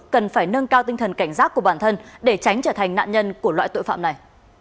cần phải nâng cao tinh thần cảnh giác của bản thân để tránh trở thành nạn nhân của loại tội phạm này